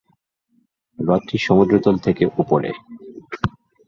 হ্রদটি সমুদ্রতল থেকে উপরে।